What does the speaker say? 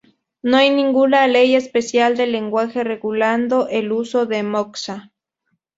No hay ninguna ley especial de lenguaje regulando el uso del moksha.